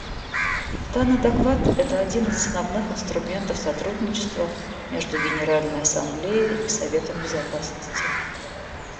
Данный доклад — это один из основных инструментов сотрудничества между Генеральной Ассамблеей и Советом Безопасности.